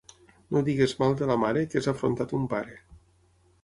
No diguis mal de la mare, que és afrontar a ton pare.